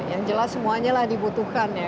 yang jelas semuanya lah dibutuhkan ya